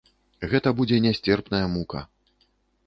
Гэта будзе нясцерпная мука!